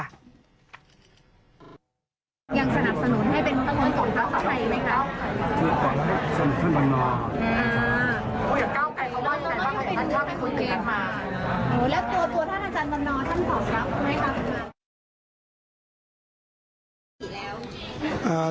ยังสนับสนุนให้เป็นต้นต่อของเขาใครไหมครับ